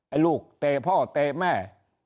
ไอ้ลูกเตะพ่อเตะแม่